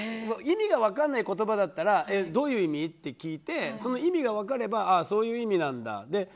意味が分からない言葉だったらどういう意味って聞いてその意味が分かればそういう意味なんだって。